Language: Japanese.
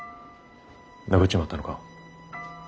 殴っちまったのか？